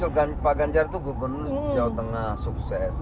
ada ya muncul pak ganjar itu gubernur jauh tengah sukses